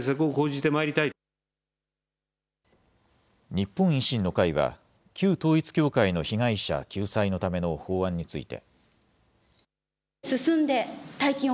日本維新の会は旧統一教会の被害者救済のための法案について。